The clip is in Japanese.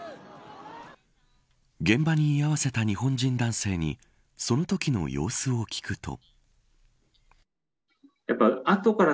現場に居合わせた日本人男性にそのときの様子を聞くと。